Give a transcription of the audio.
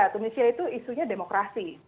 tunisia itu isunya demokrasi